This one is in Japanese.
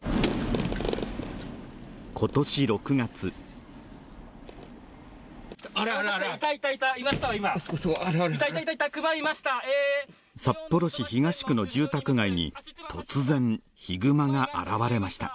今年６月札幌市東区の住宅街に突然ヒグマが現れました